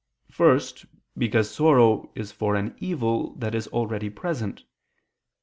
First, because sorrow is for an evil that is already present.